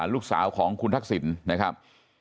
ลูกสาวของคุณทักษิณนะครับ